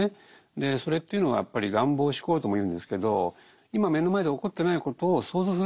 でそれっていうのはやっぱり「願望思考」ともいうんですけど今目の前で起こってないことを想像する力でもあるわけですよ。